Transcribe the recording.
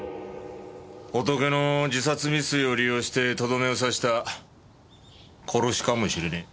ホトケの自殺未遂を利用してとどめを刺した殺しかもしれねえ。